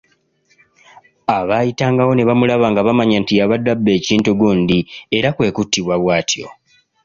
Abaayitangawo ne bamulaba nga bamanya nti yabadde abba ekintu gundi era kwe kuttibwa bw’atyo.